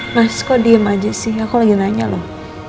mas kok diem aja sih aku lagi nanya loh